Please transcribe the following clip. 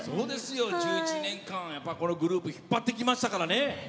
１１年間グループを引っ張ってきましたから。